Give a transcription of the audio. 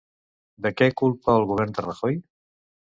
De què culpa al govern de Rajoy?